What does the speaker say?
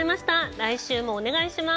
来週もお願いします。